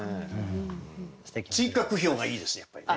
追加句評がいいですねやっぱりね。